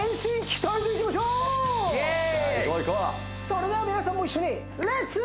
それでは皆さんも一緒にレッツ！